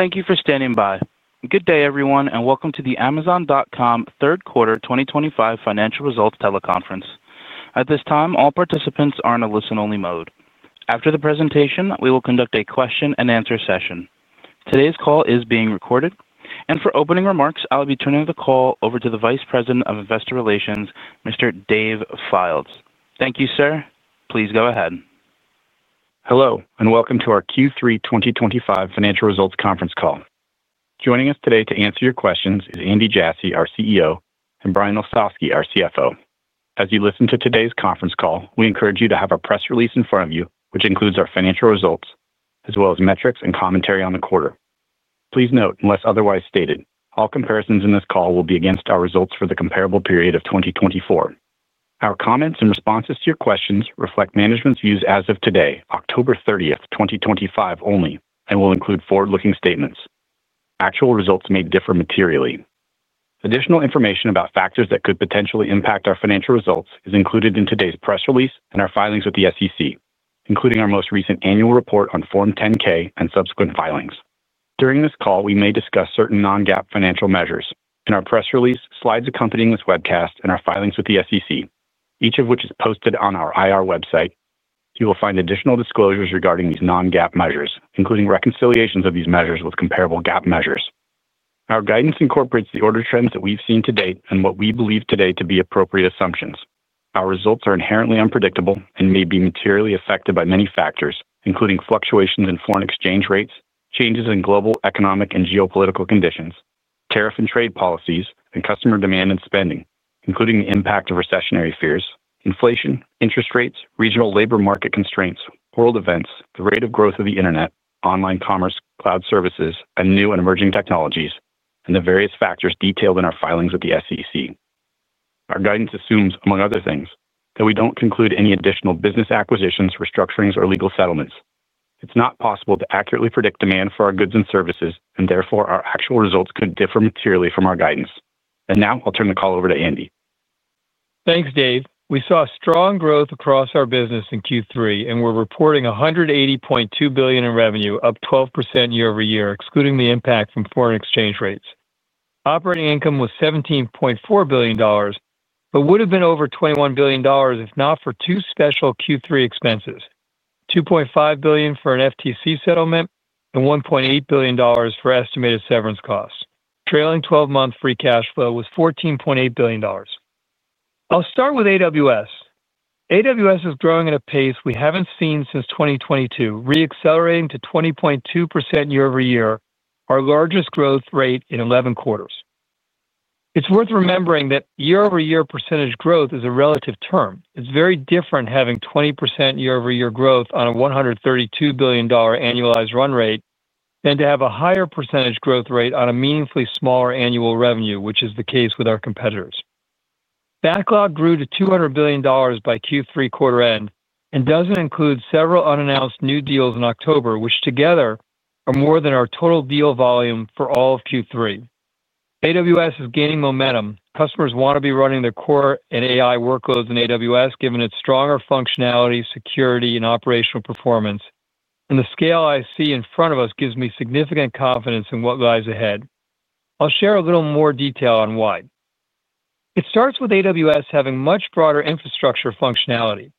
Thank you for standing by. Good day, everyone, and welcome to the Amazon.com third quarter 2025 financial results teleconference. At this time, all participants are in a listen-only mode. After the presentation, we will conduct a question-and-answer session. Today's call is being recorded, and for opening remarks, I'll be turning the call over to the Vice President of Investor Relations, Mr. Dave Fildes. Thank you, sir. Please go ahead. Hello, and welcome to our Q3 2025 financial results conference call. Joining us today to answer your questions is Andy Jassy, our CEO, and Brian Olsavsky, our CFO. As you listen to today's conference call, we encourage you to have a press release in front of you, which includes our financial results, as well as metrics and commentary on the quarter. Please note, unless otherwise stated, all comparisons in this call will be against our results for the comparable period of 2024. Our comments and responses to your questions reflect management's views as of today, October 30th, 2025, only, and will include forward-looking statements. Actual results may differ materially. Additional information about factors that could potentially impact our financial results is included in today's press release and our filings with the SEC, including our most recent annual report on Form 10-K and subsequent filings. During this call, we may discuss certain non-GAAP financial measures in our press release, slides accompanying this webcast, and our filings with the SEC, each of which is posted on our IR website. You will find additional disclosures regarding these non-GAAP measures, including reconciliations of these measures with comparable GAAP measures. Our guidance incorporates the order trends that we've seen to date and what we believe today to be appropriate assumptions. Our results are inherently unpredictable and may be materially affected by many factors, including fluctuations in foreign exchange rates, changes in global economic and geopolitical conditions, tariff and trade policies, and customer demand and spending, including the impact of recessionary fears, inflation, interest rates, regional labor market constraints, world events, the rate of growth of the internet, online commerce, cloud services, and new and emerging technologies, and the various factors detailed in our filings with the SEC. Our guidance assumes, among other things, that we don't conclude any additional business acquisitions, restructurings, or legal settlements. It's not possible to accurately predict demand for our goods and services, and therefore our actual results could differ materially from our guidance. Now I'll turn the call over to Andy. Thanks, Dave. We saw strong growth across our business in Q3, and we're reporting $180.2 billion in revenue, up 12% year-over-year, excluding the impact from foreign exchange rates. Operating income was $17.4 billion, but would have been over $21 billion if not for two special Q3 expenses: $2.5 billion for an FTC settlement and $1.8 billion for estimated severance costs. Trailing 12-month free cash flow was $14.8 billion. I'll start with AWS. AWS is growing at a pace we haven't seen since 2022, re-accelerating to 20.2% year-over-year, our largest growth rate in 11 quarters. It's worth remembering that year-over-year % growth is a relative term. It's very different having 20% year-over-year growth on a $132 billion annualized run rate than to have a higher % growth rate on a meaningfully smaller annual revenue, which is the case with our competitors. Backlog grew to $200 billion by Q3 quarter end and doesn't include several unannounced new deals in October, which together are more than our total deal volume for all of Q3. AWS is gaining momentum. Customers want to be running their core and AI workloads in AWS, given its stronger functionality, security, and operational performance. The scale I see in front of us gives me significant confidence in what lies ahead. I'll share a little more detail on why. It starts with AWS having much broader infrastructure functionality.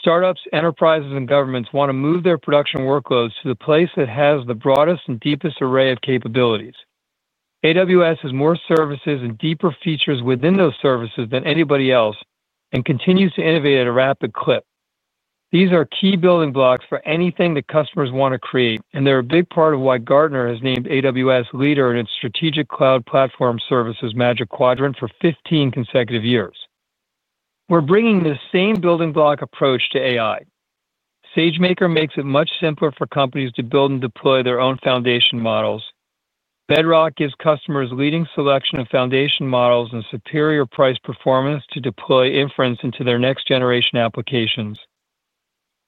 Startups, enterprises, and governments want to move their production workloads to the place that has the broadest and deepest array of capabilities. AWS has more services and deeper features within those services than anybody else and continues to innovate at a rapid clip. These are key building blocks for anything that customers want to create, and they're a big part of why Gartner has named AWS leader in its strategic cloud platform services, Magic Quadrant, for 15 consecutive years. We're bringing the same building block approach to AI. SageMaker makes it much simpler for companies to build and deploy their own foundation models. Bedrock gives customers leading selection of foundation models and superior price performance to deploy inference into their next-generation applications.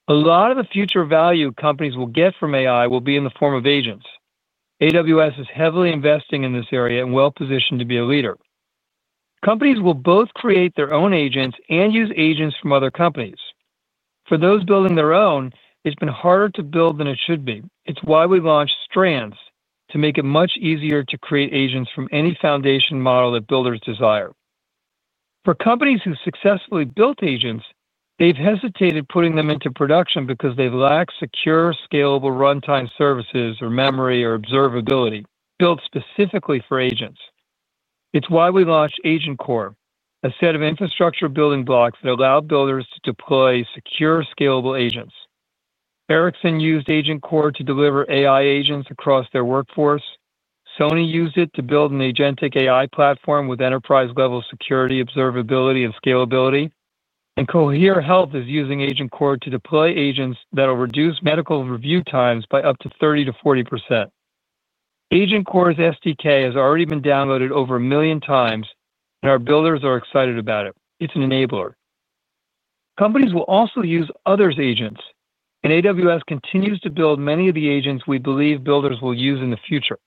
A lot of the future value companies will get from AI will be in the form of agents. AWS is heavily investing in this area and well-positioned to be a leader. Companies will both create their own agents and use agents from other companies. For those building their own, it's been harder to build than it should be. It's why we launched Strands to make it much easier to create agents from any foundation model that builders desire. For companies who've successfully built agents, they've hesitated putting them into production because they lack secure, scalable runtime services, or memory or observability built specifically for agents. It's why we launched AgentCore, a set of infrastructure building blocks that allow builders to deploy secure, scalable agents. Ericsson used AgentCore to deliver AI agents across their workforce. Sony used it to build an agentic AI platform with enterprise-level security, observability, and scalability. Cohere Health is using AgentCore to deploy agents that will reduce medical review times by up to 30%-40%. AgentCore's SDK has already been downloaded over a million times, and our builders are excited about it. It's an enabler. Companies will also use others' agents, and AWS continues to build many of the agents we believe builders will use in the future.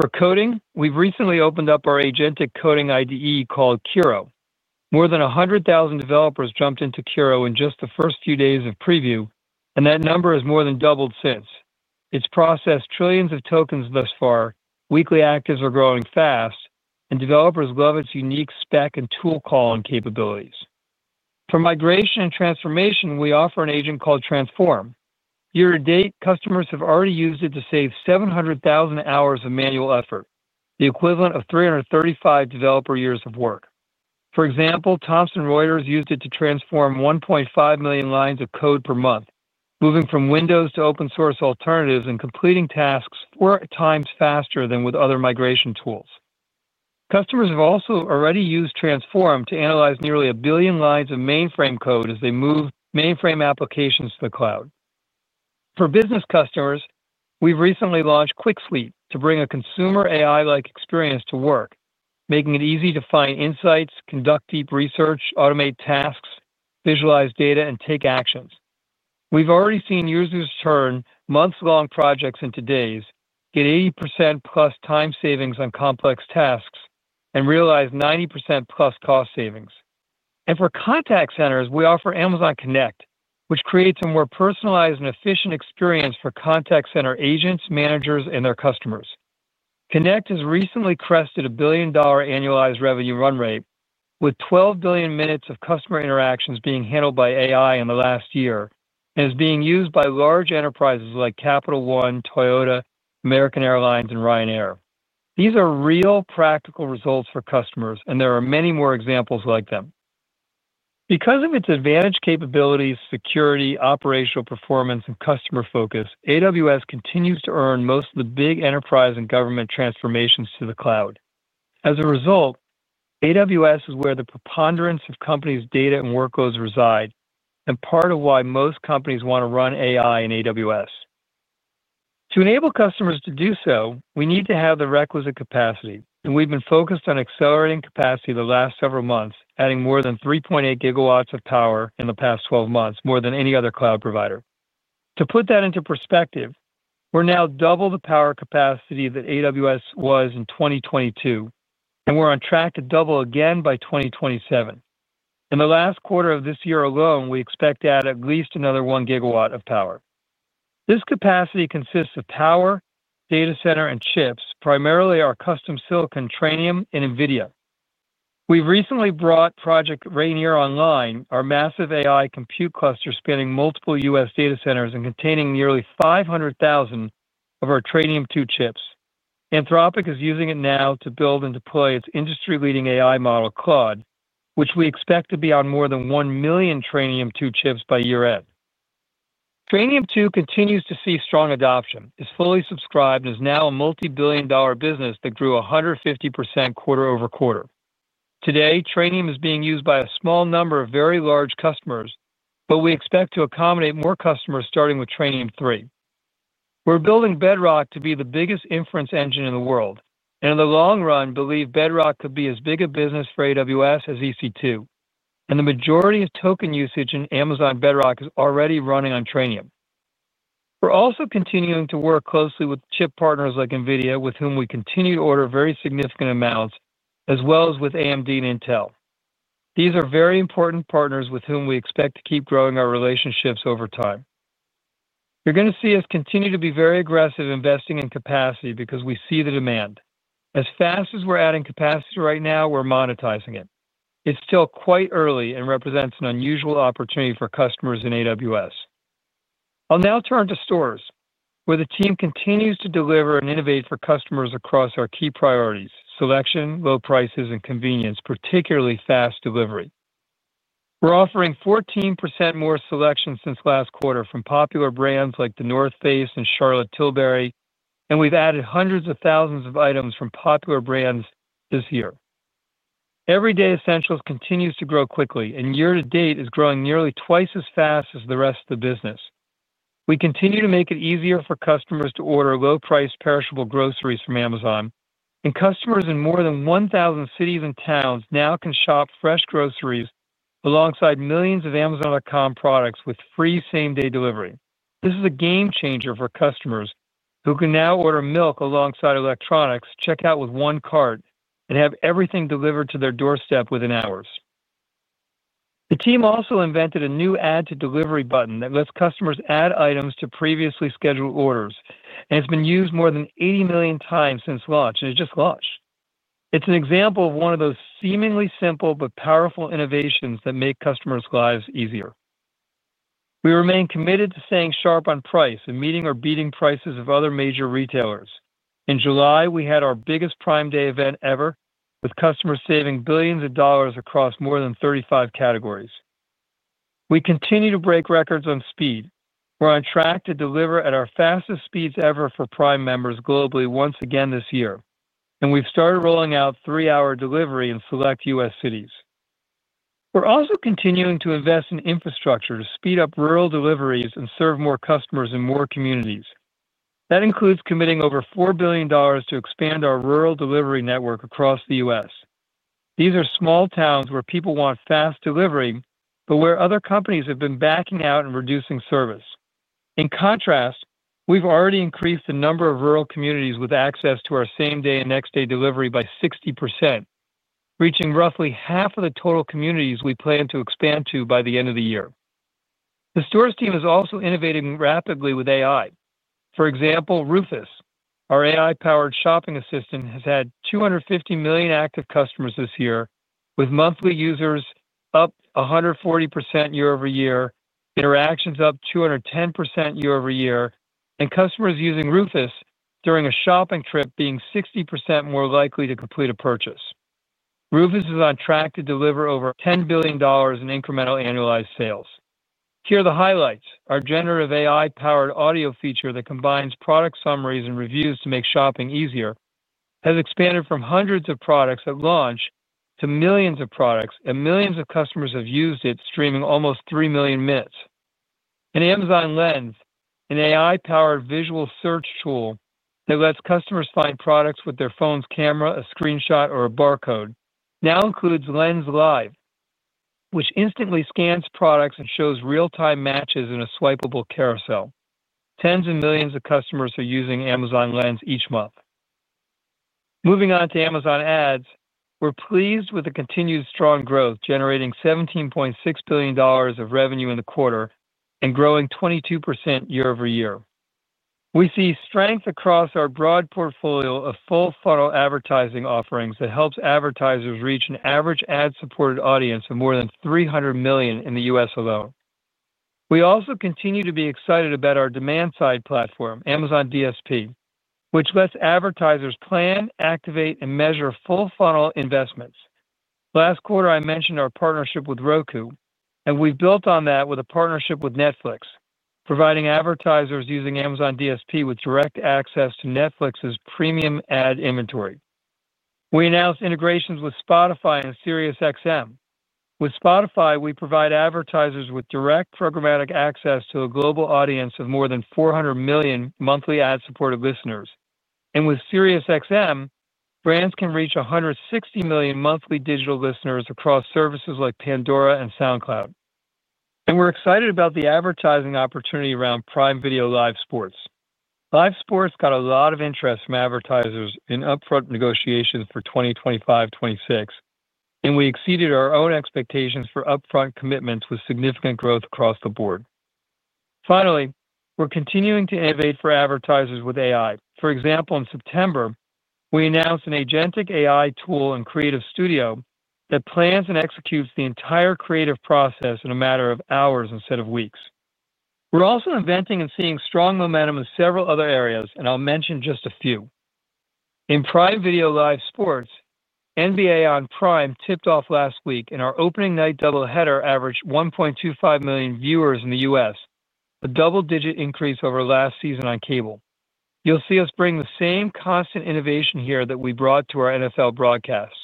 For coding, we've recently opened up our agentic coding IDE called Kiro. More than 100,000 developers jumped into Kiro in just the first few days of preview, and that number has more than doubled since. It's processed trillions of tokens thus far, weekly actives are growing fast, and developers love its unique spec and tool calling capabilities. For migration and transformation, we offer an agent called Transform. Year to date, customers have already used it to save 700,000 hours of manual effort, the equivalent of 335 developer years of work. For example, Thomson Reuters used it to transform 1.5 million lines of code per month, moving from Windows to open-source alternatives and completing tasks four times faster than with other migration tools. Customers have also already used Transform to analyze nearly a billion lines of mainframe code as they move mainframe applications to the cloud. For business customers, we've recently launched Quick Suite to bring a consumer AI-like experience to work, making it easy to find insights, conduct deep research, automate tasks, visualize data, and take actions. We've already seen users turn months-long projects into days, get 80%+ time savings on complex tasks, and realize 90%+ cost savings. For contact centers, we offer Amazon Connect, which creates a more personalized and efficient experience for contact center agents, managers, and their customers. Connect has recently crested a $1 billion annualized revenue run rate, with 12 billion minutes of customer interactions being handled by AI in the last year and is being used by large enterprises like Capital One, Toyota, American Airlines, and Ryanair. These are real, practical results for customers, and there are many more examples like them. Because of its advantaged capabilities, security, operational performance, and customer focus, AWS continues to earn most of the big enterprise and government transformations to the cloud. As a result, AWS is where the preponderance of companies' data and workloads reside and part of why most companies want to run AI in AWS. To enable customers to do so, we need to have the requisite capacity, and we've been focused on accelerating capacity the last several months, adding more than 3.8 GW of power in the past 12 months, more than any other cloud provider. To put that into perspective, we're now double the power capacity that AWS was in 2022, and we're on track to double again by 2027. In the last quarter of this year alone, we expect to add at least another 1 GW of power. This capacity consists of power, data center, and chips, primarily our custom silicon Trainium and NVIDIA. We've recently brought Project Rainier online, our massive AI compute cluster spanning multiple U.S. data centers and containing nearly 500,000 of our Trainium2 chips. Anthropic is using it now to build and deploy its industry-leading AI model, Claude, which we expect to be on more than 1 million Trainium2 chips by year-end. Trainium2 continues to see strong adoption, is fully subscribed, and is now a multi-billion-dollar business that grew 150% quarter-over-quarter. Today, Trainium is being used by a small number of very large customers, but we expect to accommodate more customers starting with Trainium3. We're building Bedrock to be the biggest inference engine in the world, and in the long run, believe Bedrock could be as big a business for AWS as EC2, and the majority of token usage in Amazon Bedrock is already running on Trainium. We're also continuing to work closely with chip partners like NVIDIA, with whom we continue to order very significant amounts, as well as with AMD and Intel. These are very important partners with whom we expect to keep growing our relationships over time. You're going to see us continue to be very aggressive investing in capacity because we see the demand. As fast as we're adding capacity right now, we're monetizing it. It's still quite early and represents an unusual opportunity for customers in AWS. I'll now turn to stores, where the team continues to deliver and innovate for customers across our key priorities: selection, low prices, and convenience, particularly fast delivery. We're offering 14% more selection since last quarter from popular brands like The North Face and Charlotte Tilbury, and we've added hundreds of thousands of items from popular brands this year. Everyday essentials continues to grow quickly, and year to date is growing nearly twice as fast as the rest of the business. We continue to make it easier for customers to order low-priced perishable groceries from Amazon, and customers in more than 1,000 cities and towns now can shop fresh groceries alongside millions of Amazon.com products with free same-day delivery. This is a game changer for customers who can now order milk alongside electronics, check out with one card, and have everything delivered to their doorstep within hours. The team also invented a new add-to-delivery button that lets customers add items to previously scheduled orders, and it's been used more than 80 million times since launch, and it just launched. It's an example of one of those seemingly simple but powerful innovations that make customers' lives easier. We remain committed to staying sharp on price and meeting or beating prices of other major retailers. In July, we had our biggest Prime Day event ever, with customers saving billions of dollars across more than 35 categories. We continue to break records on speed. We're on track to deliver at our fastest speeds ever for Prime members globally once again this year, and we've started rolling out three-hour delivery in select U.S. cities. We're also continuing to invest in infrastructure to speed up rural deliveries and serve more customers in more communities. That includes committing over $4 billion to expand our rural delivery network across the U.S. These are small towns where people want fast delivery, but where other companies have been backing out and reducing service. In contrast, we've already increased the number of rural communities with access to our same-day and next-day delivery by 60%, reaching roughly half of the total communities we plan to expand to by the end of the year. The stores team is also innovating rapidly with AI. For example, Rufus, our AI-powered shopping assistant, has had 250 million active customers this year, with monthly users up 140% year-over-year, interactions up 210% year-over-year, and customers using Rufus during a shopping trip being 60% more likely to complete a purchase. Rufus is on track to deliver over $10 billion in incremental annualized sales. Here are the highlights. Our generative AI-powered audio feature that combines product summaries and reviews to make shopping easier has expanded from hundreds of products at launch to millions of products, and millions of customers have used it, streaming almost 3 million minutes. Amazon Lens, an AI-powered visual search tool that lets customers find products with their phone's camera, a screenshot, or a barcode, now includes Lens Live, which instantly scans products and shows real-time matches in a swipeable carousel. Tens of millions of customers are using Amazon Lens each month. Moving on to Amazon Ads, we're pleased with the continued strong growth, generating $17.6 billion of revenue in the quarter and growing 22% year-over-year. We see strength across our broad portfolio of full-funnel advertising offerings that helps advertisers reach an average ad-supported audience of more than 300 million in the U.S. alone. We also continue to be excited about our demand-side platform, Amazon DSP, which lets advertisers plan, activate, and measure full-funnel investments. Last quarter, I mentioned our partnership with Roku, and we've built on that with a partnership with Netflix, providing advertisers using Amazon DSP with direct access to Netflix's premium ad inventory. We announced integrations with Spotify and SiriusXM. With Spotify, we provide advertisers with direct programmatic access to a global audience of more than 400 million monthly ad-supported listeners. With SiriusXM, brands can reach 160 million monthly digital listeners across services like Pandora and SoundCloud. We're excited about the advertising opportunity around Prime Video Live Sports. Live Sports got a lot of interest from advertisers in upfront negotiations for 2025-2026, and we exceeded our own expectations for upfront commitments with significant growth across the board. Finally, we're continuing to innovate for advertisers with AI. For example, in September, we announced an agentic AI tool in Creative Studio that plans and executes the entire creative process in a matter of hours instead of weeks. We're also inventing and seeing strong momentum in several other areas, and I'll mention just a few. In Prime Video Live Sports, NBA on Prime tipped off last week, and our opening night doubleheader averaged 1.25 million viewers in the U.S., a double-digit increase over last season on cable. You'll see us bring the same constant innovation here that we brought to our NFL broadcasts.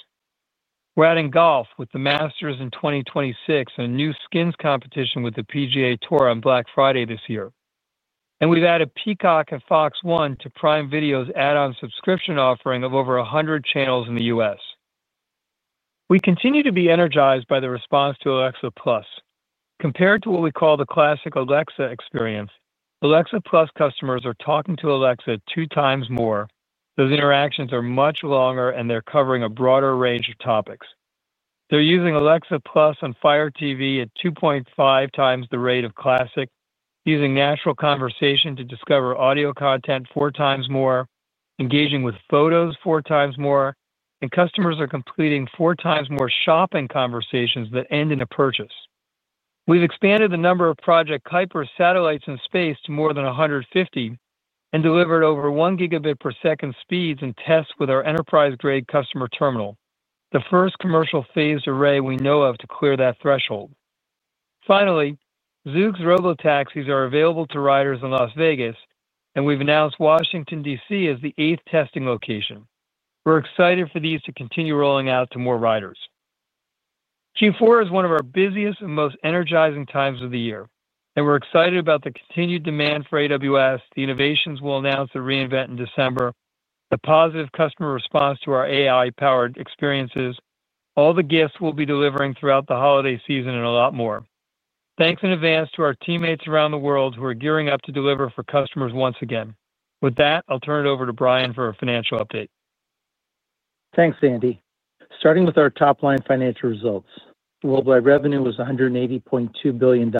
We're adding golf with the Masters in 2026 and a new skins competition with the PGA Tour on Black Friday this year. We've added Peacock and FOX One to Prime Video's add-on subscription offering of over 100 channels in the U.S. We continue to be energized by the response to Alexa+. Compared to what we call the classic Alexa experience, Alexa+ customers are talking to Alexa 2x more, those interactions are much longer, and they're covering a broader range of topics. They're using Alexa+ on Fire TV at 2.5x the rate of Classic, using natural conversation to discover audio content four times more, engaging with photos 4x more, and customers are completing 4x more shopping conversations that end in a purchase. We've expanded the number of Project Kuiper satellites in space to more than 150 and delivered over 1 Gbps speeds in tests with our enterprise-grade customer terminal, the first commercial phased array we know of to clear that threshold. Finally, Zoox Robotaxi are available to riders in Las Vegas, and we've announced Washington, D.C., as the eighth testing location. We're excited for these to continue rolling out to more riders. Q4 is one of our busiest and most energizing times of the year, and we're excited about the continued demand for AWS, the innovations we'll announce to re:Invent in December, the positive customer response to our AI-powered experiences, all the gifts we'll be delivering throughout the holiday season, and a lot more. Thanks in advance to our teammates around the world who are gearing up to deliver for customers once again. With that, I'll turn it over to Brian for a financial update. Thanks, Andy. Starting with our top-line financial results, worldwide revenue was $180.2 billion,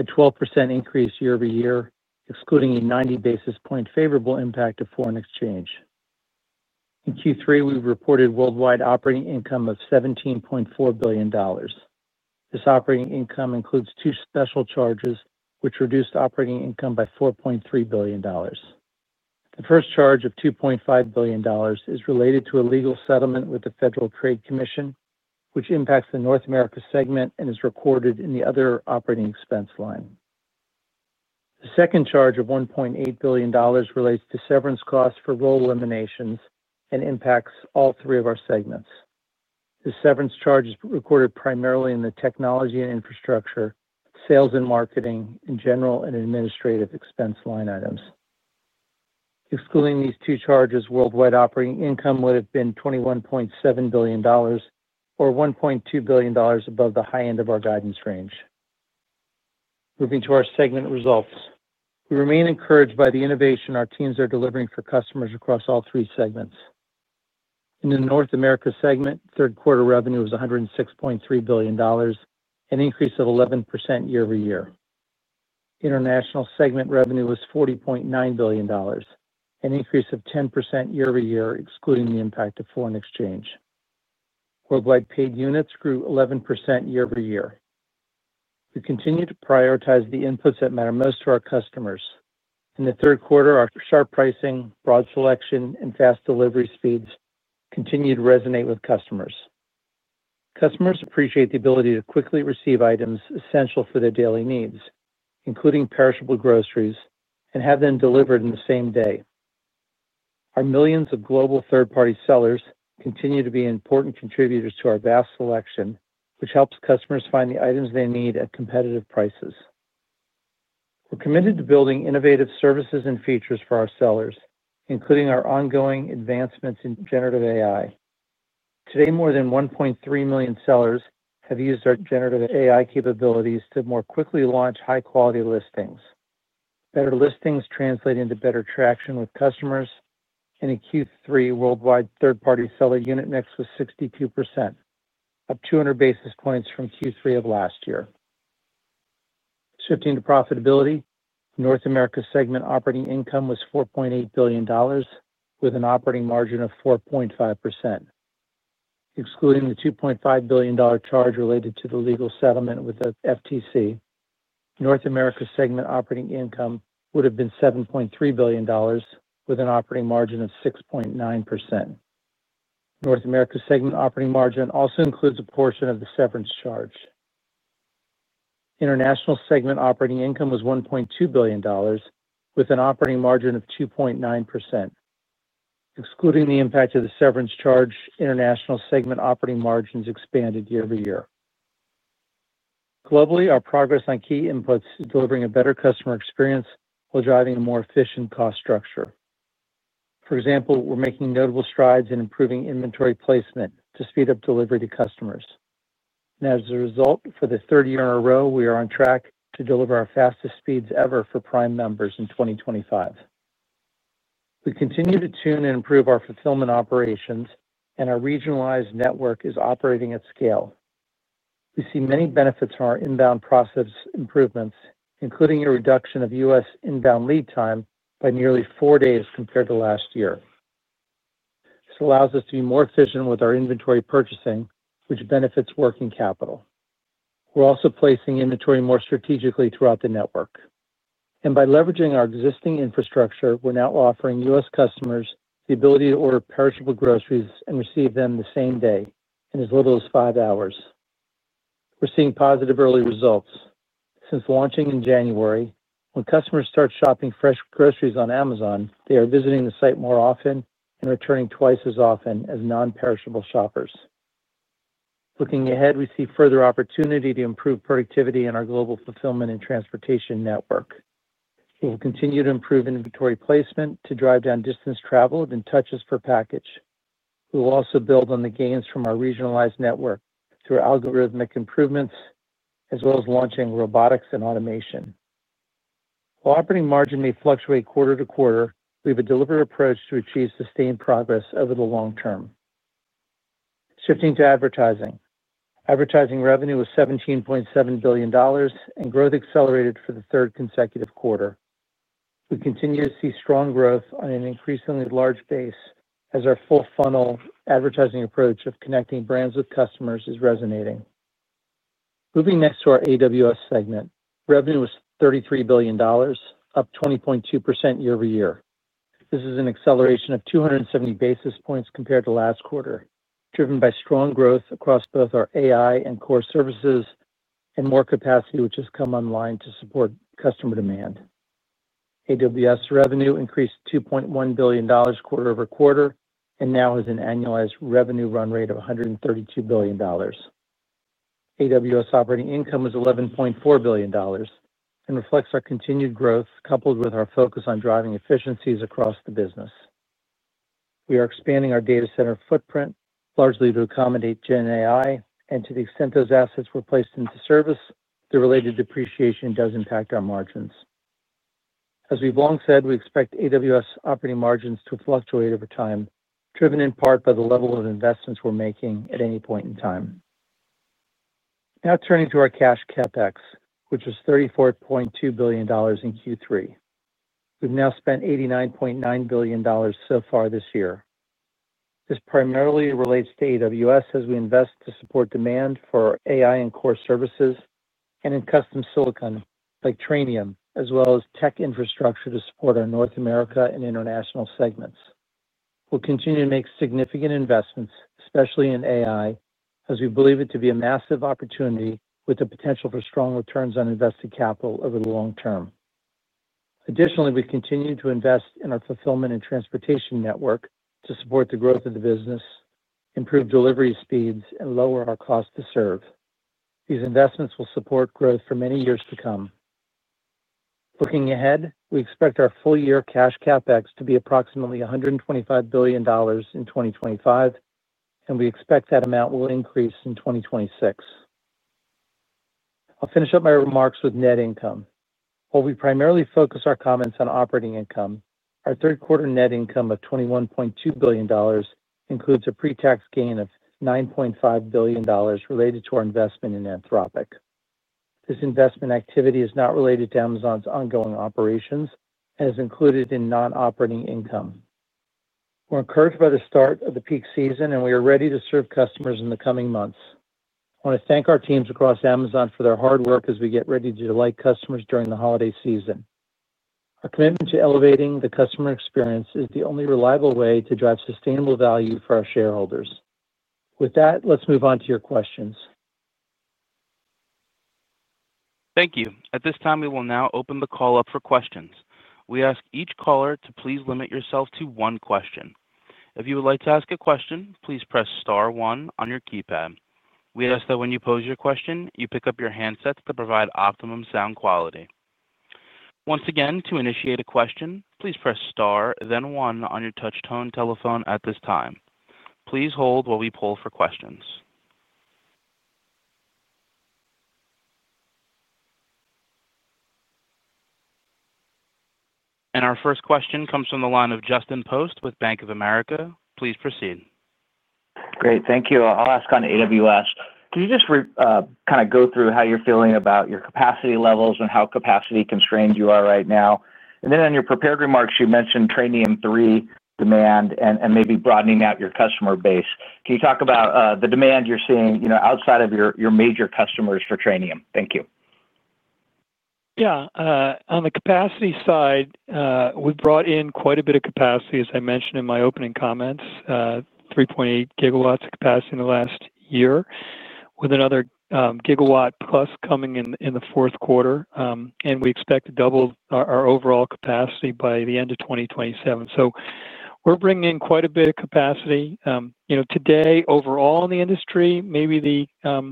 a 12% increase year-over-year, excluding a 90 basis point favorable impact of foreign exchange. In Q3, we reported worldwide operating income of $17.4 billion. This operating income includes two special charges, which reduced operating income by $4.3 billion. The first charge, of $2.5 billion, is related to a legal settlement with the Federal Trade Commission, which impacts the North America segment and is recorded in the other operating expense line. The second charge, of $1.8 billion, relates to severance costs for role eliminations and impacts all three of our segments. The severance charge is recorded primarily in the technology and infrastructure, sales and marketing, and general and administrative expense line items. Excluding these two charges, worldwide operating income would have been $21.7 billion, or $1.2 billion above the high end of our guidance range. Moving to our segment results, we remain encouraged by the innovation our teams are delivering for customers across all three segments. In the North America segment, third-quarter revenue was $106.3 billion, an increase of 11% year-over-year. International segment revenue was $40.9 billion, an increase of 10% year-over-year, excluding the impact of foreign exchange. Worldwide paid units grew 11% year-over-year. We continue to prioritize the inputs that matter most to our customers. In the third quarter, our sharp pricing, broad selection, and fast delivery speeds continued to resonate with customers. Customers appreciate the ability to quickly receive items essential for their daily needs, including perishable groceries, and have them delivered in the same day. Our millions of global third-party sellers continue to be important contributors to our vast selection, which helps customers find the items they need at competitive prices. We're committed to building innovative services and features for our sellers, including our ongoing advancements in generative AI. Today, more than 1.3 million sellers have used our generative AI capabilities to more quickly launch high-quality listings. Better listings translate into better traction with customers, and in Q3, worldwide third-party seller unit mix was 62%, up 200 basis points from Q3 of last year. Shifting to profitability, North America segment operating income was $4.8 billion, with an operating margin of 4.5%. Excluding the $2.5 billion charge related to the legal settlement with the FTC, North America segment operating income would have been $7.3 billion, with an operating margin of 6.9%. North America segment operating margin also includes a portion of the severance charge. International segment operating income was $1.2 billion, with an operating margin of 2.9%. Excluding the impact of the severance charge, International segment operating margins expanded year-over-year. Globally, our progress on key inputs is delivering a better customer experience while driving a more efficient cost structure. For example, we're making notable strides in improving inventory placement to speed up delivery to customers. For the third year in a row, we are on track to deliver our fastest speeds ever for Prime members in 2025. We continue to tune and improve our fulfillment operations, and our regionalized network is operating at scale. We see many benefits from our inbound process improvements, including a reduction of U.S. inbound lead time by nearly four days compared to last year. This allows us to be more efficient with our inventory purchasing, which benefits working capital. We're also placing inventory more strategically throughout the network. By leveraging our existing infrastructure, we're now offering U.S. customers the ability to order perishable groceries and receive them the same day in as little as five hours. We're seeing positive early results. Since launching in January, when customers start shopping fresh groceries on Amazon, they are visiting the site more often and returning twice as often as non-perishable shoppers. Looking ahead, we see further opportunity to improve productivity in our global fulfillment and transportation network. We will continue to improve inventory placement to drive down distance traveled and touches per package. We will also build on the gains from our regionalized network through algorithmic improvements, as well as launching robotics and automation. While operating margin may fluctuate quarter to quarter, we have a deliberate approach to achieve sustained progress over the long term. Shifting to advertising. Advertising revenue was $17.7 billion, and growth accelerated for the third consecutive quarter. We continue to see strong growth on an increasingly large base as our full-funnel advertising approach of connecting brands with customers is resonating. Moving next to our AWS segment, revenue was $33 billion, up 20.2% year-over-year. This is an acceleration of 270 basis points compared to last quarter, driven by strong growth across both our AI and core services and more capacity which has come online to support customer demand. AWS revenue increased $2.1 billion quarter over quarter and now has an annualized revenue run rate of $132 billion. AWS operating income was $11.4 billion and reflects our continued growth coupled with our focus on driving efficiencies across the business. We are expanding our data center footprint largely to accommodate Gen AI, and to the extent those assets were placed into service, the related depreciation does impact our margins. As we've long said, we expect AWS operating margins to fluctuate over time, driven in part by the level of investments we're making at any point in time. Now turning to our cash CapEx, which was $34.2 billion in Q3. We've now spent $89.9 billion so far this year. This primarily relates to AWS as we invest to support demand for AI and core services and in custom silicon like Trainium, as well as tech infrastructure to support our North America and international segments. We'll continue to make significant investments, especially in AI, as we believe it to be a massive opportunity with the potential for strong returns on invested capital over the long term. Additionally, we continue to invest in our fulfillment and transportation network to support the growth of the business, improve delivery speeds, and lower our cost to serve. These investments will support growth for many years to come. Looking ahead, we expect our full-year cash CapEx to be approximately $125 billion in 2025, and we expect that amount will increase in 2026. I'll finish up my remarks with net income. While we primarily focus our comments on operating income, our third-quarter net income of $21.2 billion includes a pre-tax gain of $9.5 billion related to our investment in Anthropic. This investment activity is not related to Amazon's ongoing operations and is included in non-operating income. We're encouraged by the start of the peak season, and we are ready to serve customers in the coming months. I want to thank our teams across Amazon for their hard work as we get ready to delight customers during the holiday season. Our commitment to elevating the customer experience is the only reliable way to drive sustainable value for our shareholders. With that, let's move on to your questions. Thank you. At this time, we will now open the call up for questions. We ask each caller to please limit yourself to one question. If you would like to ask a question, please press star one on your keypad. We ask that when you pose your question, you pick up your handset to provide optimum sound quality. Once again, to initiate a question, please press star, then one on your touch-tone telephone at this time. Please hold while we pull for questions. Our first question comes from the line of Justin Post with Bank of America. Please proceed. Great. Thank you. I'll ask on AWS. Can you just kind of go through how you're feeling about your capacity levels and how capacity constrained you are right now? In your prepared remarks, you mentioned Trainium3 demand and maybe broadening out your customer base. Can you talk about the demand you're seeing outside of your major customers for Trainium? Thank you. Yeah. On the capacity side, we brought in quite a bit of capacity, as I mentioned in my opening comments, 3.8 GW of capacity in the last year, with another gigawatt plus coming in the fourth quarter. We expect to double our overall capacity by the end of 2027. We're bringing in quite a bit of capacity. Today, overall in the industry, maybe the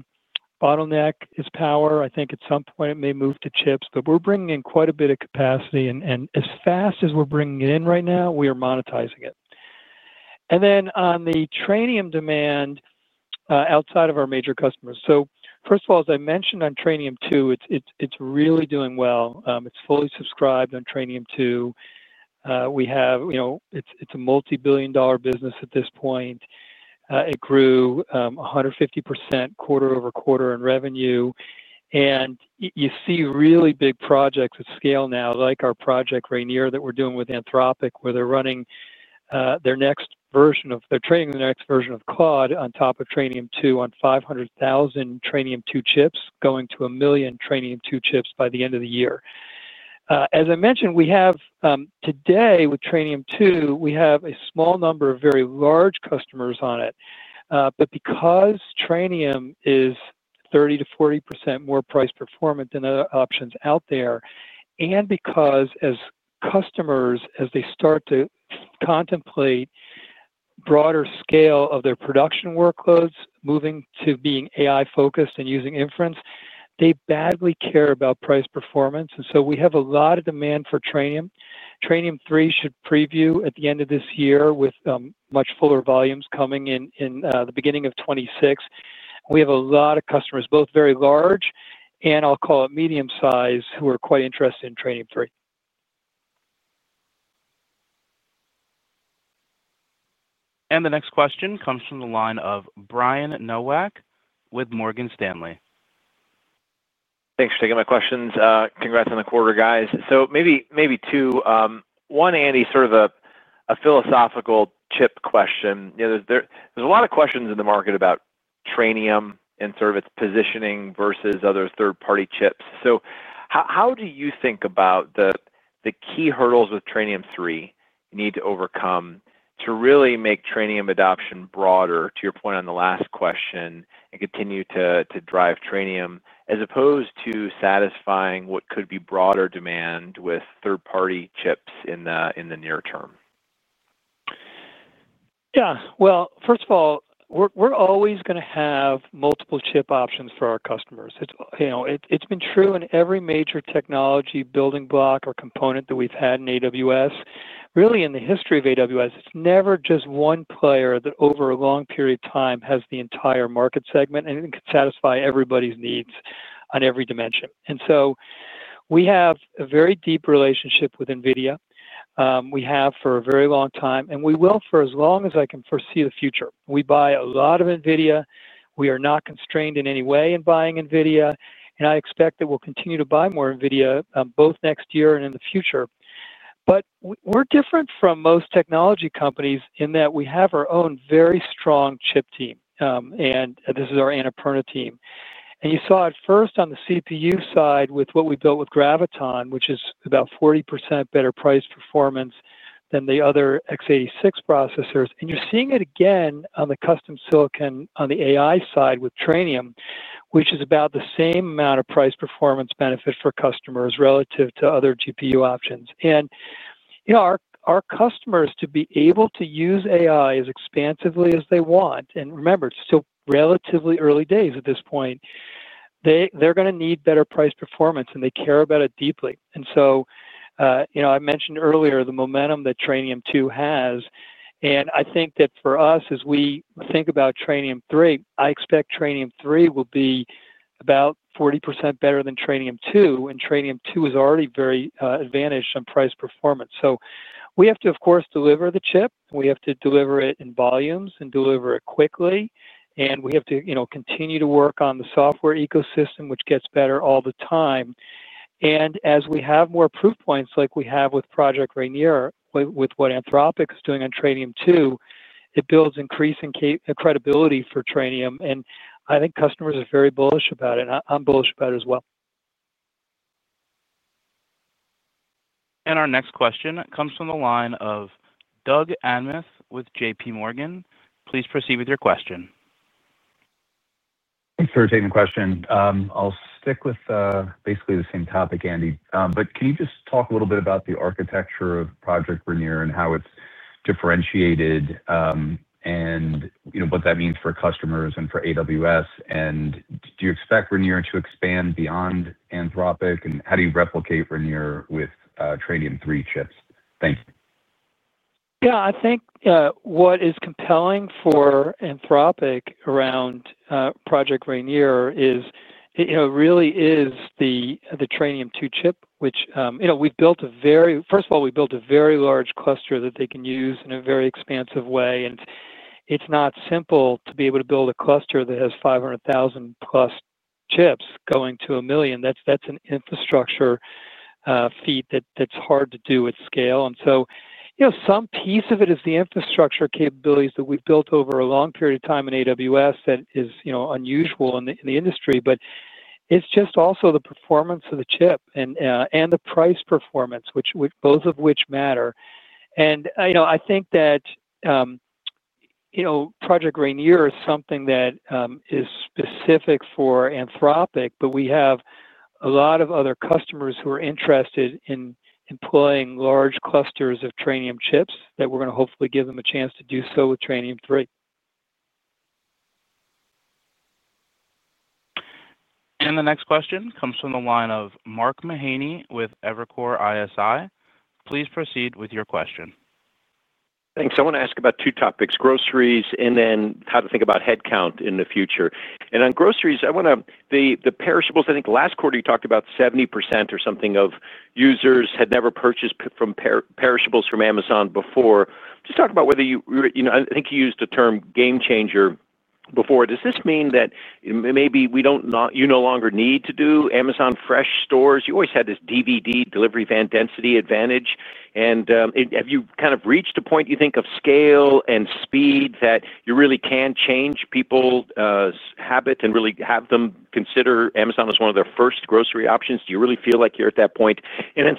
bottleneck is power. I think at some point it may move to chips, but we're bringing in quite a bit of capacity. As fast as we're bringing it in right now, we are monetizing it. On the Trainium demand outside of our major customers, first of all, as I mentioned on Trainium2, it's really doing well. It's fully subscribed on Trainium2. It's a multi-billion dollar business at this point. It grew 150% quarter over quarter in revenue. You see really big projects at scale now, like our Project Rainier that we're doing with Anthropic, where they're training their next version of Claude on top of Trainium2 on 500,000 Trainium2 chips, going to a million Trainium2 chips by the end of the year. As I mentioned, today with Trainium2, we have a small number of very large customers on it. Because Trainium is 30%-40% more price-performant than other options out there, and because as customers start to contemplate broader scale of their production workloads, moving to being AI-focused and using inference, they badly care about price performance. We have a lot of demand for Trainium. Trainium3 should preview at the end of this year with much fuller volumes coming in the beginning of 2026. We have a lot of customers, both very large and I'll call it medium size, who are quite interested in Trainium3. The next question comes from the line of Brian Nowak with Morgan Stanley. Thanks for taking my questions. Congrats on the quarter, guys. So maybe two. One, Andy, sort of a philosophical chip question. There's a lot of questions in the market about Trainium and sort of its positioning versus other third-party chips. How do you think about the key hurdles with Trainium3 you need to overcome to really make Trainium adoption broader, to your point on the last question, and continue to drive Trainium, as opposed to satisfying what could be broader demand with third-party chips in the near term? Yeah. First of all, we're always going to have multiple chip options for our customers. It's been true in every major technology building block or component that we've had in AWS. Really, in the history of AWS, it's never just one player that over a long period of time has the entire market segment and can satisfy everybody's needs on every dimension. We have a very deep relationship with NVIDIA. We have for a very long time, and we will for as long as I can foresee the future. We buy a lot of NVIDIA. We are not constrained in any way in buying NVIDIA. I expect that we'll continue to buy more NVIDIA, both next year and in the future. We're different from most technology companies in that we have our own very strong chip team. This is our Annapurna team. You saw it first on the CPU side with what we built with Graviton, which is about 40% better price performance than the other x86 processors. You're seeing it again on the custom silicon on the AI side with Trainium, which is about the same amount of price performance benefit for customers relative to other GPU options. Our customers to be able to use AI as expansively as they want, and remember, it's still relatively early days at this point, they're going to need better price performance, and they care about it deeply. I mentioned earlier the momentum that Trainium2 has. I think that for us, as we think about Trainium3, I expect Trainium3 will be about 40% better than Trainium2, and Trainium2 is already very advantaged on price performance. We have to, of course, deliver the chip. We have to deliver it in volumes and deliver it quickly. We have to continue to work on the software ecosystem, which gets better all the time. As we have more proof points like we have with Project Rainier, with what Anthropic is doing on Trainium2, it builds increasing credibility for Trainium. I think customers are very bullish about it, and I'm bullish about it as well. Our next question comes from the line of Doug Anmuth with JPMorgan. Please proceed with your question. Thanks for taking the question. I'll stick with basically the same topic, Andy. Can you just talk a little bit about the architecture of Project Rainier and how it's differentiated, and what that means for customers and for AWS? Do you expect Rainier to expand beyond Anthropic, and how do you replicate Rainier with Trainium3 chips? Thank you. Yeah. I think what is compelling for Anthropic around Project Rainier is really the Trainium2 chip, which we've built. First of all, we built a very large cluster that they can use in a very expansive way. It's not simple to be able to build a cluster that has 500,000+ chips going to a million. That's an infrastructure feat that's hard to do at scale. Some piece of it is the infrastructure capabilities that we've built over a long period of time in AWS that is unusual in the industry. It's also the performance of the chip and the price performance, both of which matter. I think that Project Rainier is something that is specific for Anthropic, but we have a lot of other customers who are interested in employing large clusters of Trainium chips that we're going to hopefully give them a chance to do so with Trainium3. The next question comes from the line of Mark Mahaney with Evercore ISI. Please proceed with your question. Thanks. I want to ask about two topics: groceries and then how to think about headcount in the future. On groceries, the perishables, I think last quarter you talked about 70% or something of users had never purchased from perishables from Amazon before. Just talk about whether you—I think you used the term game changer before. Does this mean that maybe you no longer need to do Amazon Fresh stores? You always had this DVD delivery van density advantage. Have you kind of reached a point, you think, of scale and speed that you really can change people's habit and really have them consider Amazon as one of their first grocery options? Do you really feel like you're at that point?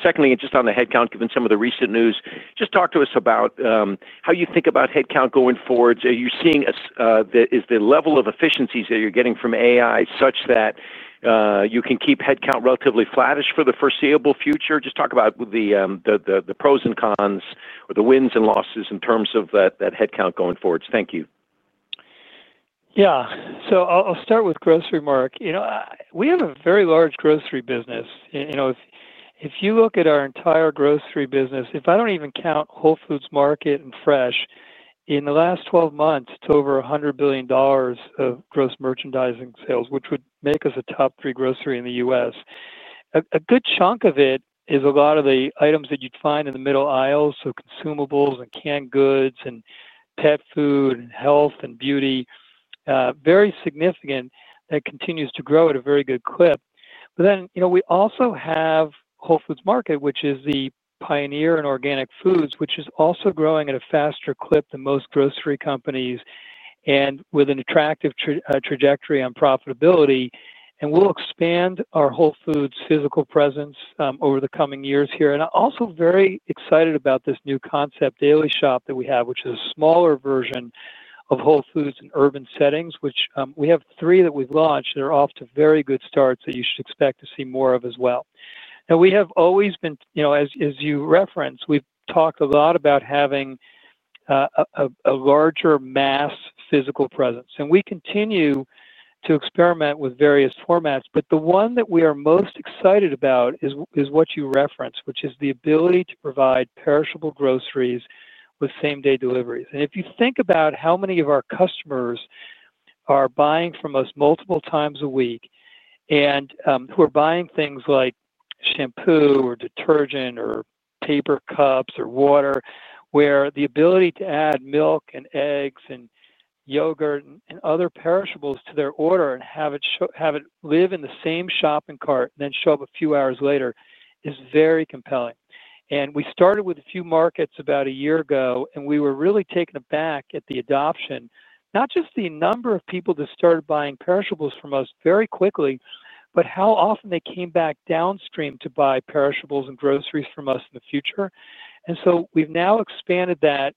Secondly, just on the headcount, given some of the recent news, just talk to us about how you think about headcount going forward. Are you seeing that—is the level of efficiencies that you're getting from AI such that. You can keep headcount relatively flattish for the foreseeable future? Just talk about the pros and cons or the wins and losses in terms of that headcount going forward. Thank you. Yeah. I'll start with grocery, Mark. We have a very large grocery business. If you look at our entire grocery business, if I don't even count Whole Foods Market and Fresh, in the last 12 months, it's over $100 billion of gross merchandising sales, which would make us a top-three grocery in the U.S. A good chunk of it is a lot of the items that you'd find in the middle aisle, so consumables and canned goods and pet food and health and beauty. Very significant. That continues to grow at a very good clip. We also have Whole Foods Market, which is the pioneer in organic foods, which is also growing at a faster clip than most grocery companies and with an attractive trajectory on profitability. We'll expand our Whole Foods physical presence over the coming years here. I'm also very excited about this new concept, Daily Shop, that we have, which is a smaller version of Whole Foods in urban settings. We have three that we've launched that are off to very good starts that you should expect to see more of as well. We have always been, as you referenced, we've talked a lot about having a larger mass physical presence. We continue to experiment with various formats. The one that we are most excited about is what you referenced, which is the ability to provide perishable groceries with same-day deliveries. If you think about how many of our customers are buying from us multiple times a week and who are buying things like shampoo or detergent or paper cups or water, where the ability to add milk and eggs and yogurt and other perishables to their order and have it live in the same shopping cart and then show up a few hours later is very compelling. We started with a few markets about a year ago, and we were really taken aback at the adoption, not just the number of people that started buying perishables from us very quickly, but how often they came back downstream to buy perishables and groceries from us in the future. We've now expanded that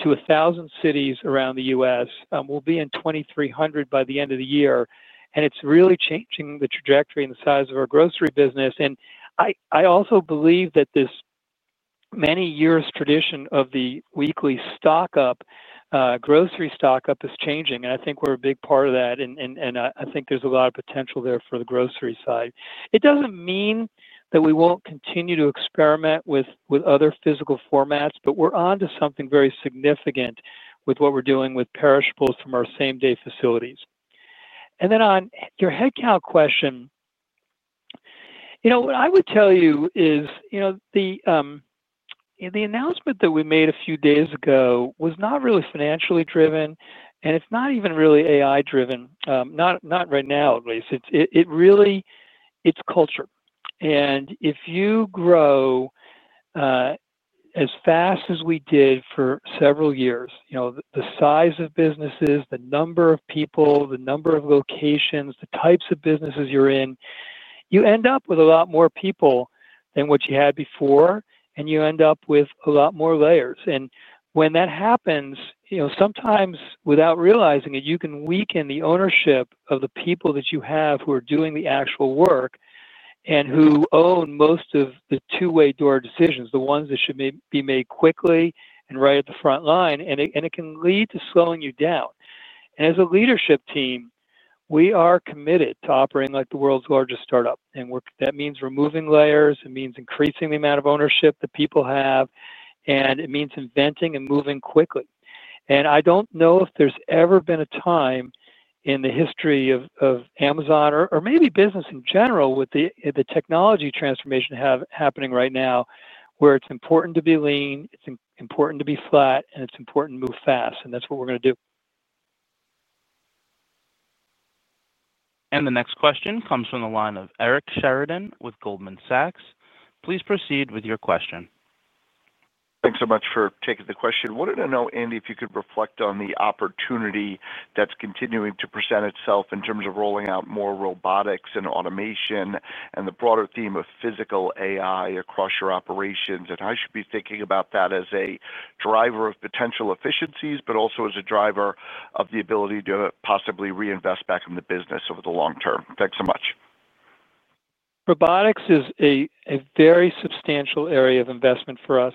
to 1,000 cities around the U.S. We'll be in 2,300 by the end of the year. It's really changing the trajectory and the size of our grocery business. I also believe that this many-year tradition of the weekly stock-up, grocery stock-up is changing. I think we're a big part of that. I think there's a lot of potential there for the grocery side. It doesn't mean that we won't continue to experiment with other physical formats, but we're on to something very significant with what we're doing with perishables from our same-day facilities. On your headcount question, what I would tell you is the announcement that we made a few days ago was not really financially driven, and it's not even really AI-driven, not right now, at least. It's culture. If you grow as fast as we did for several years, the size of businesses, the number of people, the number of locations, the types of businesses you're in, you end up with a lot more people than what you had before, and you end up with a lot more layers. When that happens, sometimes without realizing it, you can weaken the ownership of the people that you have who are doing the actual work and who own most of the two-way door decisions, the ones that should be made quickly and right at the front line. It can lead to slowing you down. As a leadership team, we are committed to operating like the world's largest startup. That means removing layers, increasing the amount of ownership that people have, and inventing and moving quickly. I don't know if there's ever been a time in the history of Amazon or maybe business in general with the technology transformation happening right now where it's important to be lean, it's important to be flat, and it's important to move fast. That's what we're going to do. The next question comes from the line of Eric Sheridan with Goldman Sachs. Please proceed with your question. Thanks so much for taking the question. I wanted to know, Andy, if you could reflect on the opportunity that's continuing to present itself in terms of rolling out more robotics and automation and the broader theme of physical AI across your operations and how you should be thinking about that as a driver of potential efficiencies, but also as a driver of the ability to possibly reinvest back in the business over the long term. Thanks so much. Robotics is a very substantial area of investment for us.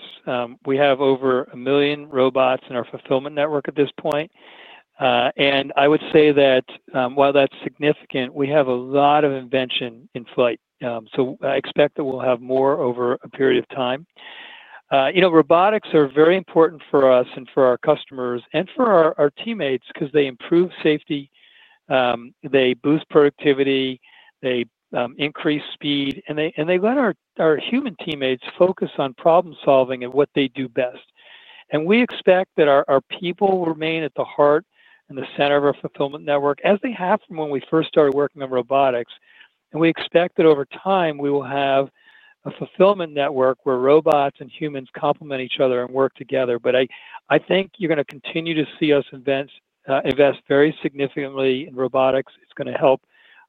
We have over a million robots in our fulfillment network at this point. I would say that while that's significant, we have a lot of invention in flight, so I expect that we'll have more over a period of time. Robotics are very important for us and for our customers and for our teammates because they improve safety, they boost productivity, they increase speed, and they let our human teammates focus on problem-solving and what they do best. We expect that our people remain at the heart and the center of our fulfillment network as they have from when we first started working on robotics. We expect that over time, we will have a fulfillment network where robots and humans complement each other and work together. I think you're going to continue to see us invest very significantly in robotics. It's going to help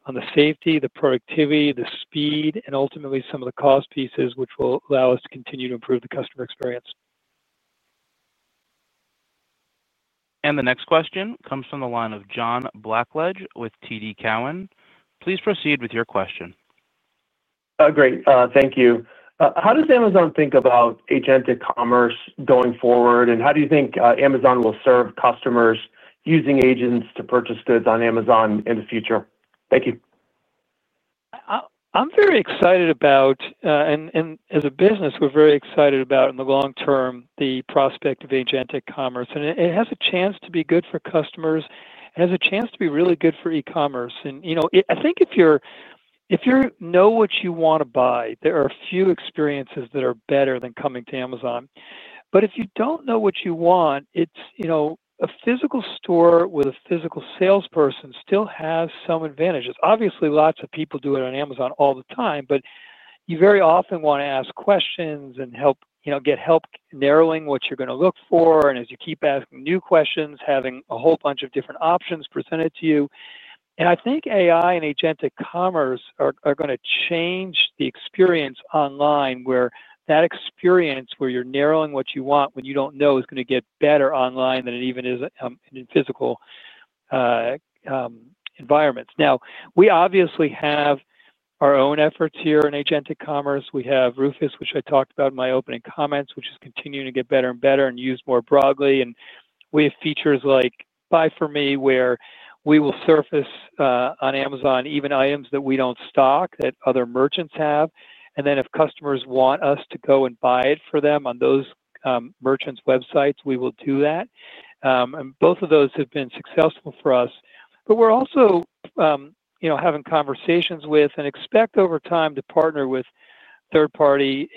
on the safety, the productivity, the speed, and ultimately some of the cost pieces, which will allow us to continue to improve the customer experience. The next question comes from the line of John Blackledge with TD Cowen. Please proceed with your question. Great. Thank you. How does Amazon think about agentic commerce going forward? How do you think Amazon will serve customers using agents to purchase goods on Amazon in the future? Thank you. I'm very excited about, and as a business, we're very excited about, in the long term, the prospect of agentic commerce. It has a chance to be good for customers. It has a chance to be really good for e-commerce. I think if you know what you want to buy, there are a few experiences that are better than coming to Amazon. If you don't know what you want, a physical store with a physical salesperson still has some advantages. Obviously, lots of people do it on Amazon all the time, but you very often want to ask questions and get help narrowing what you're going to look for. As you keep asking new questions, having a whole bunch of different options presented to you. I think AI and agentic commerce are going to change the experience online where that experience where you're narrowing what you want when you don't know is going to get better online than it even is in physical environments. We obviously have our own efforts here in agentic commerce. We have Rufus, which I talked about in my opening comments, which is continuing to get better and better and used more broadly. We have features like Buy for Me where we will surface on Amazon even items that we don't stock that other merchants have. If customers want us to go and buy it for them on those merchants' websites, we will do that. Both of those have been successful for us. We're also. Having conversations with and expect over time to partner with third-party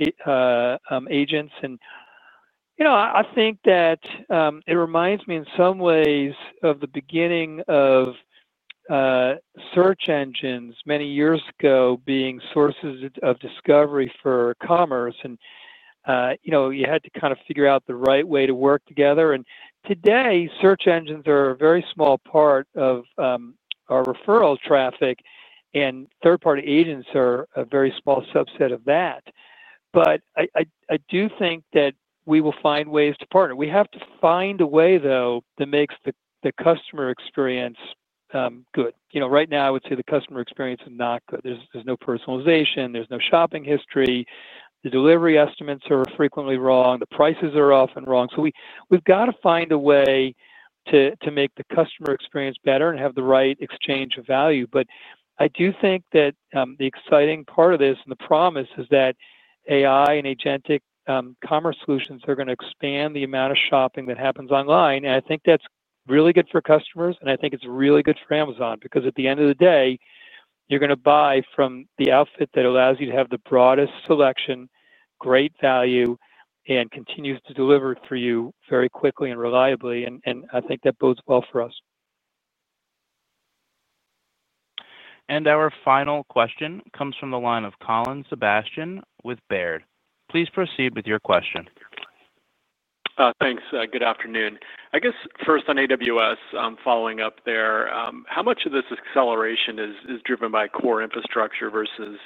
agents. I think that it reminds me in some ways of the beginning of search engines many years ago being sources of discovery for commerce. You had to kind of figure out the right way to work together. Today, search engines are a very small part of our referral traffic, and third-party agents are a very small subset of that. I do think that we will find ways to partner. We have to find a way, though, that makes the customer experience good. Right now, I would say the customer experience is not good. There's no personalization. There's no shopping history. The delivery estimates are frequently wrong. The prices are often wrong. We've got to find a way to make the customer experience better and have the right exchange of value. I do think that the exciting part of this and the promise is that AI and agentic commerce solutions are going to expand the amount of shopping that happens online. I think that's really good for customers. I think it's really good for Amazon because at the end of the day, you're going to buy from the outfit that allows you to have the broadest selection, great value, and continues to deliver for you very quickly and reliably. I think that bodes well for us. Our final question comes from the line of Colin Sebastian with Baird. Please proceed with your question. Thanks. Good afternoon. I guess first on AWS, following up there, how much of this acceleration is driven by core infrastructure versus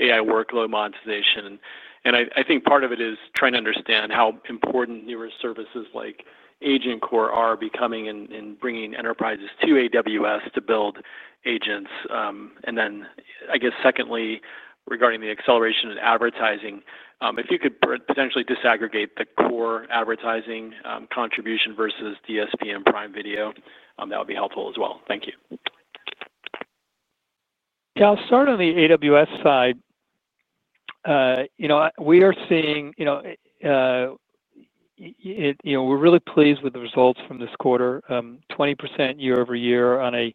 AI workload monetization? I think part of it is trying to understand how important numerous services like AgentCore are becoming and bringing enterprises to AWS to build agents. Secondly, regarding the acceleration in advertising, if you could potentially disaggregate the core advertising contribution versus DSP and Prime Video, that would be helpful as well. Thank you. Yeah. I'll start on the AWS side. We are seeing. We're really pleased with the results from this quarter. 20% year-over-year on an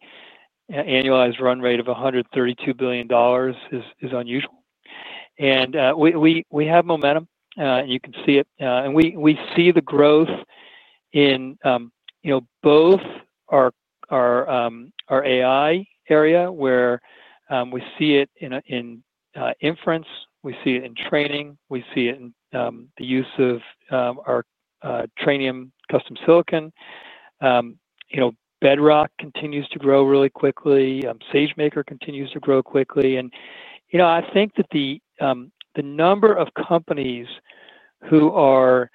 annualized run rate of $132 billion is unusual. We have momentum, and you can see it. We see the growth in both our AI area where we see it in inference, we see it in training, we see it in the use of our Trainium custom silicon. Bedrock continues to grow really quickly. SageMaker continues to grow quickly. I think that the number of companies who are.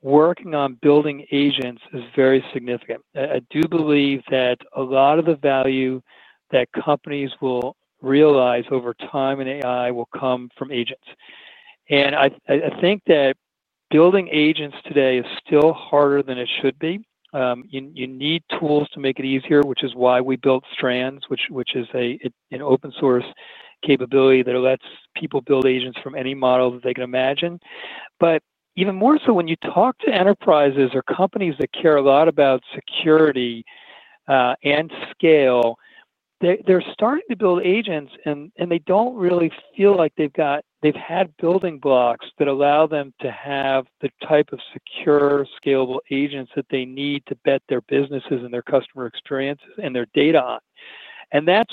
Working on building agents is very significant. I do believe that a lot of the value that companies will realize over time in AI will come from agents. I think that building agents today is still harder than it should be. You need tools to make it easier, which is why we built Strands, which is an open-source capability that lets people build agents from any model that they can imagine. Even more so, when you talk to enterprises or companies that care a lot about security and scale, they're starting to build agents, and they don't really feel like they've had building blocks that allow them to have the type of secure, scalable agents that they need to bet their businesses and their customer experiences and their data on. That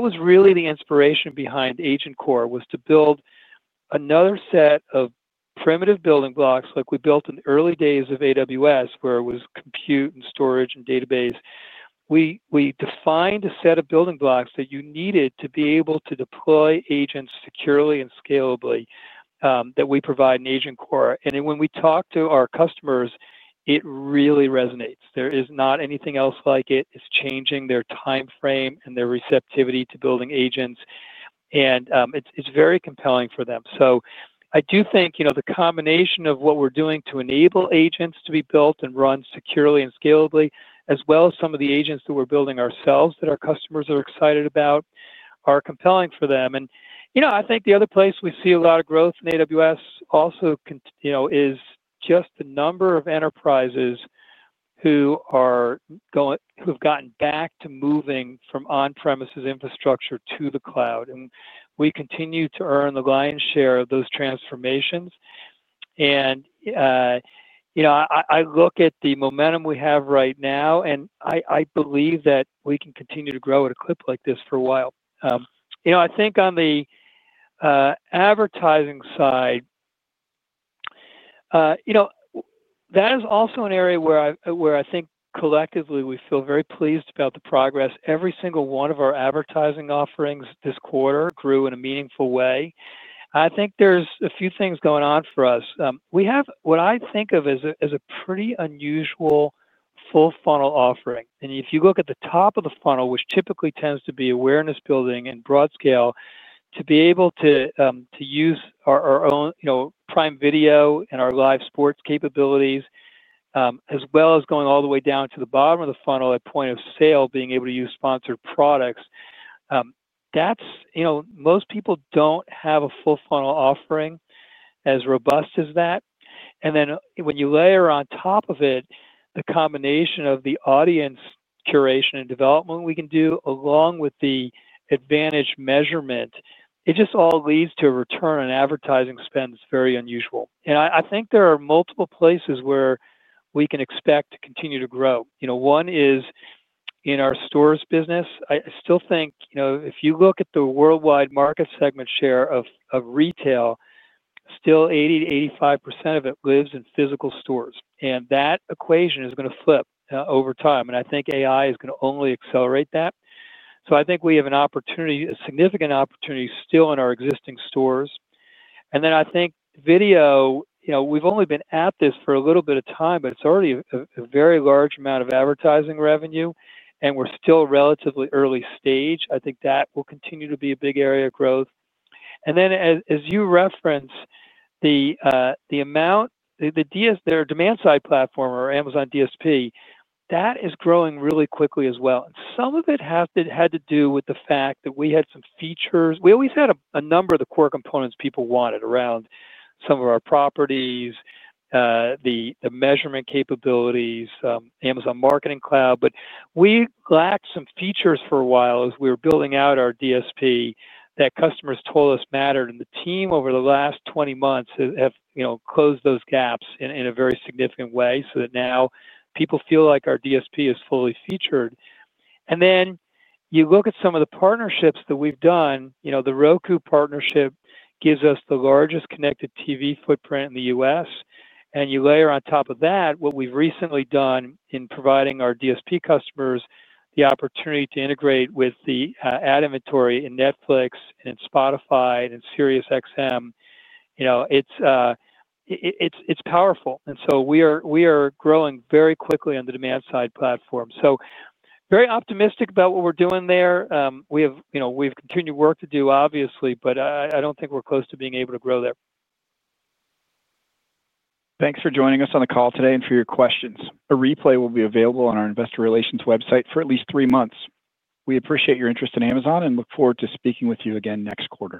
was really the inspiration behind AgentCore, to build another set of primitive building blocks like we built in the early days of AWS, where it was compute and storage and database. We defined a set of building blocks that you needed to be able to deploy agents securely and scalably that we provide in AgentCore. When we talk to our customers, it really resonates. There is not anything else like it. It's changing their timeframe and their receptivity to building agents, and it's very compelling for them. I do think the combination of what we're doing to enable agents to be built and run securely and scalably, as well as some of the agents that we're building ourselves that our customers are excited about, are compelling for them. I think the other place we see a lot of growth in AWS also is just the number of enterprises who have gotten back to moving from on-premises infrastructure to the cloud. We continue to earn the lion's share of those transformations. I look at the momentum we have right now, and I believe that we can continue to grow at a clip like this for a while. I think on the advertising side, that is also an area where I think collectively we feel very pleased about the progress. Every single one of our advertising offerings this quarter grew in a meaningful way. I think there's a few things going on for us. We have what I think of as a pretty unusual full funnel offering. If you look at the top of the funnel, which typically tends to be awareness building and broad scale, to be able to use our own Prime Video and our live sports capabilities, as well as going all the way down to the bottom of the funnel at point of sale, being able to use sponsored products. Most people don't have a full funnel offering as robust as that. When you layer on top of it the combination of the audience curation and development we can do along with the advantage measurement, it just all leads to a return on advertising spend that's very unusual. I think there are multiple places where we can expect to continue to grow. One is in our stores business. I still think if you look at the worldwide market segment share of retail, still 80%-85% of it lives in physical stores. That equation is going to flip over time, and I think AI is going to only accelerate that. I think we have a significant opportunity still in our existing stores. I think video, we've only been at this for a little bit of time, but it's already a very large amount of advertising revenue, and we're still relatively early stage. I think that will continue to be a big area of growth. As you reference the demand-side platform, or Amazon DSP, that is growing really quickly as well. Some of it had to do with the fact that we had some features. We always had a number of the core components people wanted around some of our properties, the measurement capabilities, Amazon Marketing Cloud. We lacked some features for a while as we were building out our DSP that customers told us mattered. The team over the last 20 months have closed those gaps in a very significant way so that now people feel like our DSP is fully featured. You look at some of the partnerships that we've done. The Roku partnership gives us the largest connected TV footprint in the U.S. You layer on top of that what we've recently done in providing our DSP customers the opportunity to integrate with the ad inventory in Netflix and Spotify and SiriusXM. It's powerful. We are growing very quickly on the demand-side platform. Very optimistic about what we're doing there. We have continued work to do, obviously, but I don't think we're close to being able to grow there. Thanks for joining us on the call today and for your questions. A replay will be available on our investor relations website for at least three months. We appreciate your interest in Amazon and look forward to speaking with you again next quarter.